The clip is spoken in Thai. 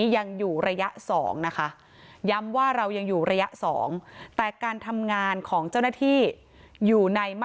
อยู่ในมาตรการระดับ๓